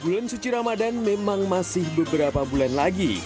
bulan suci ramadan memang masih beberapa bulan lagi